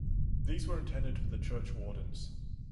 These were intended for the churchwardens.